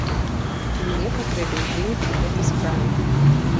Мне патрэбен вынік у гэтай справе.